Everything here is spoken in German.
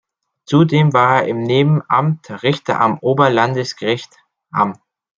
Zudem war er im Nebenamt Richter am Oberlandesgericht Hamm.